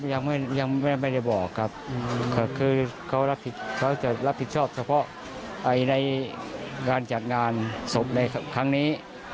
ยังไม่ได้ยังไม่ได้บอกครับก็คือเขาจะรับผิดชอบเฉพาะในการจัดงานศพในครั้งนี้